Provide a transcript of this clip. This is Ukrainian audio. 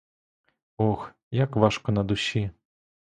Ох, як важко на душі!